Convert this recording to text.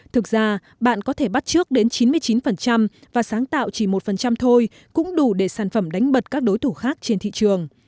thực ra bạn có thể bắt trước đến chín mươi chín và sáng tạo chỉ một thôi cũng đủ để sản phẩm đánh bật các đối thủ khác trên thị trường